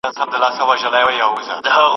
رسول الله په يوه حديث شريف کي فرمايلي دي.